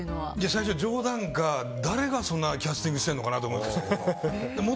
最初、冗談か誰がそんなキャスティングしてるのかなと思いましたけども。